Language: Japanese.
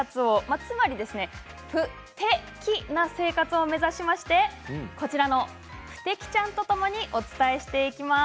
つまりプテキな生活を目指しましてこちらのプテキちゃんとともにお伝えしていきます。